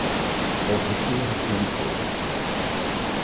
A oficina da Politeia